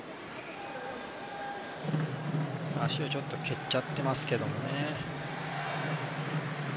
足をちょっと蹴っちゃってますけどね。